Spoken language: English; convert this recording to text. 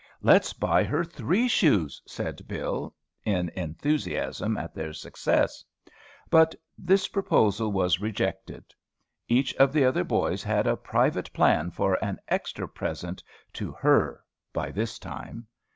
"Let's buy her three shoes!" said Bill, in enthusiasm at their success. But this proposal was rejected. Each of the other boys had a private plan for an extra present to "her" by this time.